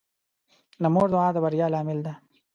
د مور دعا د بریا لامل ده.